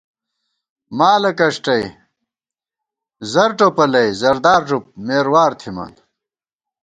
مال اکَݭٹَئی، زر ٹوپَلَئی، زردار ݫُپ مېروار تھِمان